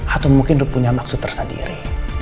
atau mungkin dia punya maksud tersendiri